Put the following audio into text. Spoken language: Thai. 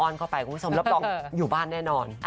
เข้าไปคุณผู้ชมรับรองอยู่บ้านแน่นอน